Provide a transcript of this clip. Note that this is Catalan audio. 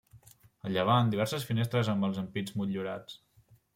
A llevant diverses finestres amb els ampits motllurats.